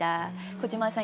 小島さん